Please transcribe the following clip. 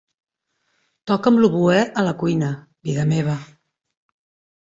Toca'm l'oboè a la cuina, vida meva.